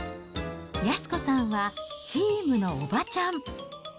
安子さんは、チームのおばちゃん。